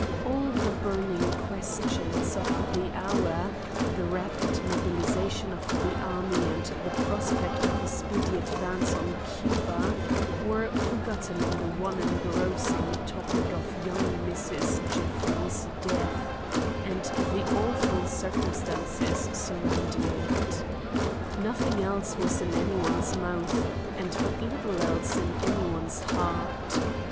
All the burning questions of the hour—the rapid mobilization of the army and the prospect of a speedy advance on Cuba—were forgotten in the one engrossing topic of young Mrs. Jeffrey's death and the awful circumstances surrounding it. Nothing else was in any one's mouth and but little else in any one's heart.